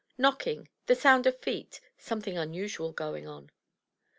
Knocking — the sound of feet — something unusual going on.